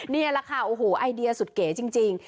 นี่แหละค่ะโอ้โหไอเดียสุดเก๋จริง